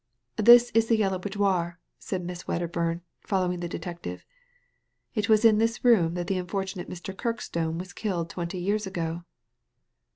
"This is the Yellow Boudoir," said Miss Weddcr bum, following the detective ;" it was in this room that the unfortunate Mr. Kirkstonewas killed twenty years ago."